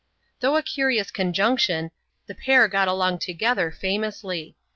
Though a curious conjunction, the pair got along together famously.